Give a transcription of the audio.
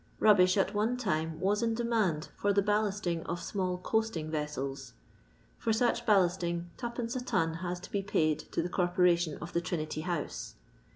Bnbbish, at one timtf, was in demand for the bal lasting of small coastixf Tessels. For such bal ksting 2d. a ton has to M paid to the corporation of the Trinity House.